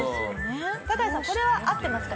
タカヤさんこれは合ってますか？